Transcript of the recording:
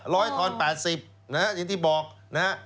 ร้อยทอน๘๐นะฮะอย่างที่บอกนะฮะ